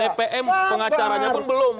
tpm pengacaranya pun belum